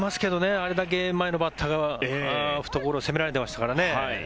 あれだけ前のバッターが懐を攻められていましたから。